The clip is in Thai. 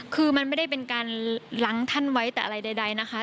คือมันไม่ได้เป็นการล้างท่านไว้แต่อะไรใดนะคะ